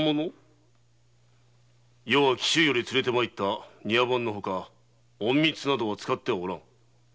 余は紀州より連れて参った庭番のほか隠密は使っておらん。